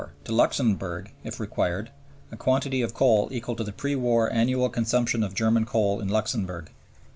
To Luxemburg, if required, a quantity of coal equal to the pre war annual consumption of German coal in Luxemburg.